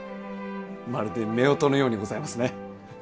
まるで夫婦のようにございますね。